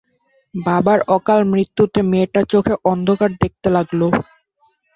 বাবার অকালমৃত্যুতে মেয়েটা চোখে অন্ধকার দেখতে লাগল।